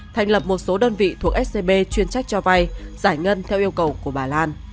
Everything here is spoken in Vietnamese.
thành lập một số đơn vị thuộc scb chuyên trách cho vay giải ngân theo yêu cầu của bà lan